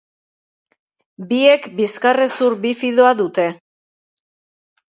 Biek bizkarrezur bifidoa dute.